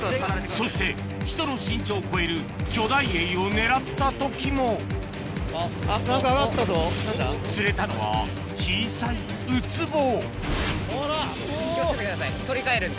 そして人の身長を超える巨大エイを狙った時も釣れたのは小さいウツボ気を付けてください反り返るんで。